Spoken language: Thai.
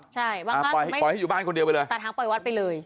ใช่บางครั้งปล่อยให้อยู่บ้านคนเดียวไปเลยตัดหางปล่อยวัดไปเลย